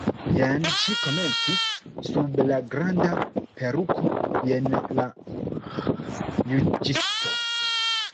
"Jen," ŝi komencis, "sub la granda peruko, jen la juĝisto."